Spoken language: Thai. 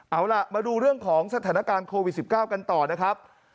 เอาล่ะมาดูเรื่องของสถานการณ์โควิด๑๙กันต่อนะครับ